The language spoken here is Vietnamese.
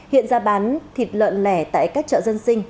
hiện ra bán thịt lợn lẻ tại các chợ dân sinh